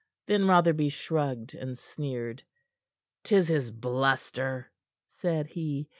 Then Rotherby shrugged and sneered. "'Tis his bluster," said he.